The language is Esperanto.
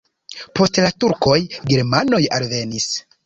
Post la turkoj germanoj alvenis.